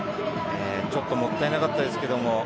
ちょっともったいなかったです。